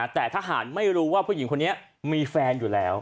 แต่ทหารไม่รู้ว่าผู้หญิงคนนี้มีแฟนอยู่แล้ว